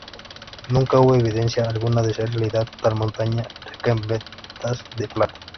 Nunca hubo evidencia alguna de ser realidad tal montaña rica en vetas de plata.